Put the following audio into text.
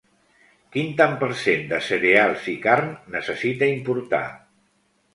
Quin tant per cent de cereals i carn necessita importar?